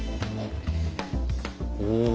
お。